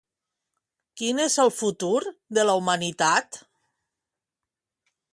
Quin és el futur de la humanitat?